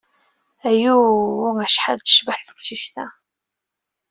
Ayuu, acḥal tecbeḥ teqcict-a!